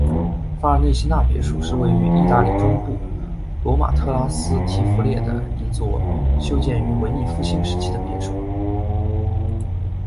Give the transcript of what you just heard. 法尔内西纳别墅是位于意大利中部罗马特拉斯提弗列的一座修建于文艺复兴时期的别墅。